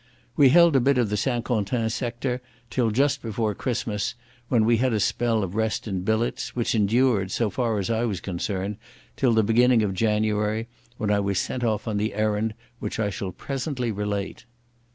We held a bit of the St Quentin sector till just before Christmas, when we had a spell of rest in billets, which endured, so far as I was concerned, till the beginning of January, when I was sent off on the errand which I shall presently relate.